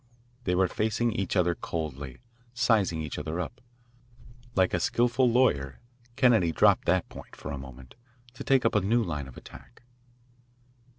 They were facing each other coldly, sizing each other up. Like a skilful lawyer, Kennedy dropped that point for a moment, to take up a new line of attack.